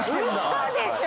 嘘でしょ